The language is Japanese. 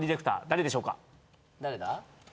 誰だ？